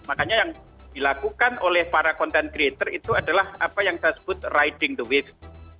makanya yang dilakukan oleh para content creator itu adalah apa yang saya sebut riding the wave